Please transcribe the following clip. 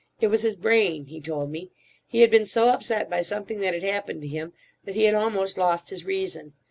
It was his brain, he told me. He had been so upset by something that had happened to him that he had almost lost his reason.